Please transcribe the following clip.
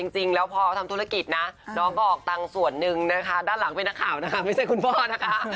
จริงแล้วพอทำธุรกิจนะน้องก็ออกตังค์ส่วนหนึ่งนะคะด้านหลังเป็นนักข่าวนะคะไม่ใช่คุณพ่อนะคะ